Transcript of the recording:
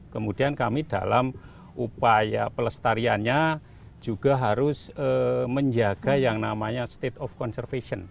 kemudian kami dalam upaya pelestariannya juga harus menjaga yang namanya state of conservation